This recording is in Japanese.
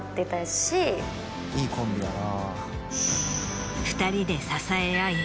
いいコンビだな。